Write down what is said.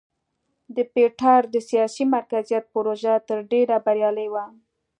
د پیټر د سیاسي مرکزیت پروژه تر ډېره بریالۍ وه.